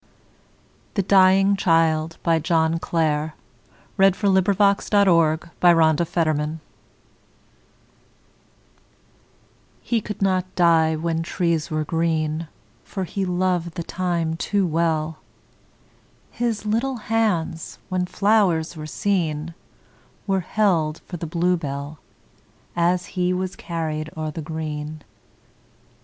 THE DYING CHILD by: John Clare (1793 1864) E could not die when trees were green, For he loved the time too well. His little hands, when flowers were seen, Were held for the bluebell, As he was carried o'er the green.